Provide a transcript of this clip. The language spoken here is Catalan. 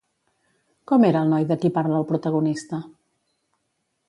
Com era el noi de qui parla el protagonista?